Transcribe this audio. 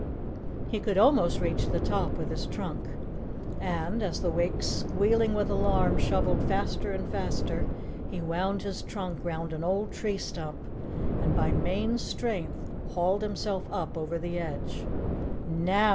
He could almost reach the top with his trunk and, as the Wakes squealing with alarm shoveled faster and faster, he wound his trunk round an old tree stump and by main strength hauled himself up over the edge. "NOW!"